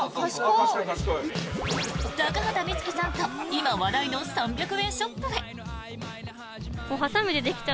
高畑充希さんと今話題の３００円ショップへ。